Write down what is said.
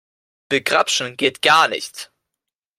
Begrapschen geht gar nicht.